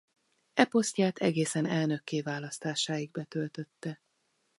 E posztját egészen elnökké választásáig betöltötte.